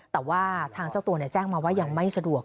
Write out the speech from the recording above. แต่ว่าทางเจ้าตัวแจ้งมาว่ายังไม่สะดวก